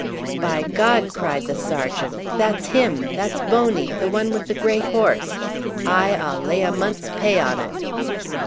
"By God!" cried the sergeant, "that's him! That's Boney, the one with the grey horse. Aye, I'll lay a month's pay on it."